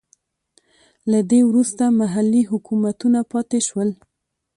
له دې وروسته محلي حکومتونه پاتې شول.